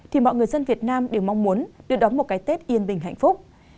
thì mọi người dân việt nam đều mong muốn được đóng một cái tết yên bình hạnh phúc